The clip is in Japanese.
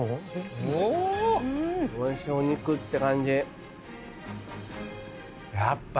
おいしいお肉って感じ。